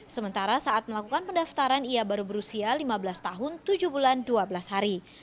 sementara saat melakukan pendaftaran ia baru berusia lima belas tahun tujuh bulan dua belas hari